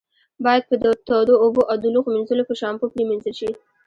باید په تودو اوبو او د لوښو منځلو په شامپو پرېمنځل شي.